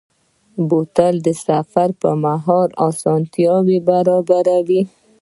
بوتل د سفر پر مهال آسانتیا برابروي.